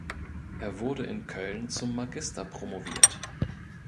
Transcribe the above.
Er wurde in Köln zum Magister promoviert.